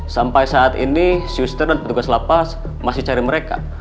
sampai saat ini sister dan petugas lapas masih cari mereka